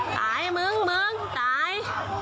ตายมึงมึงตาย